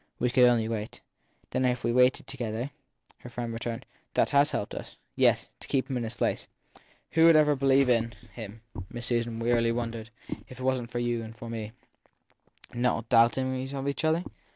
We could only wait. Then if we ve waited together, her friend returned, that has helped us. THE THIRD PERSON 271 t Yes to keep him in his place. Who would ever believe in him ? Miss Susan wearily wondered. If it wasn t for you and for me Not doubting of each other